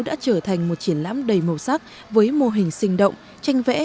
đã trở thành một triển lãm đầy màu sắc với mô hình sinh động tranh vẽ